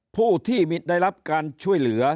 ผู้ที่ได้รับการช่วยเหลือ